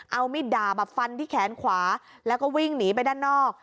เอามิดดาบฟันที่แขนขวาแล้วก็วิ่งหนีไปด้านนอก